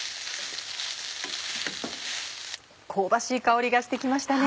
香ばしい香りがして来ましたね。